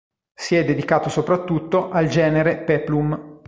Si è dedicato soprattutto al genere peplum.